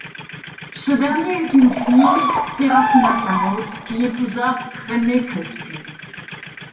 Ce dernier eut une fille, Serafina Carròs qui épousa Jaime Crespí.